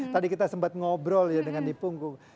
tadi kita sempat ngobrol ya dengan di punggung